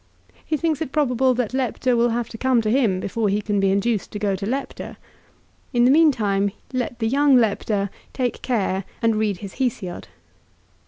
He thinks it probable that Lepta will have to come to him before he can be induced to go to Lepta. In the meantime let the young Lepta take care and read his Hesiod.